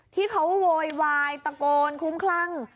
ที่เขาโวยวายตะโกนคุ้มคลั่ง